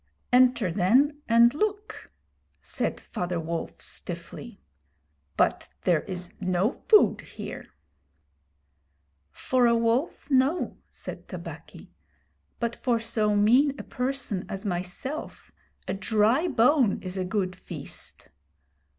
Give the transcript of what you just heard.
'Enter, then, and look,' said Father Wolf, stiffly; 'but there is no food here.' 'For a wolf, no,' said Tabaqui; 'but for so mean a person as myself a dry bone is a good feast.